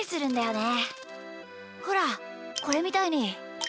ほらこれみたいに。